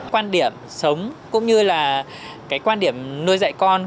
quan điểm sống cũng như là cái quan điểm nuôi dạy con